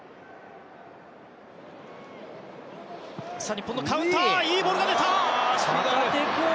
日本のカウンターいいボールが出た！